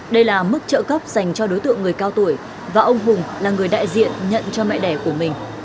đây là mức trợ cấp dành cho đối tượng người cao tuổi và ông hùng là người đại diện nhận cho mẹ đẻ của mình